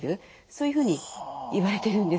そういうふうにいわれてるんですよね。